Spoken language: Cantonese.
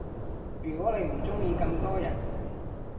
如果你唔鐘意咁多人